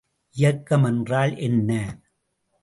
இயக்கம் என்றால் என்ன?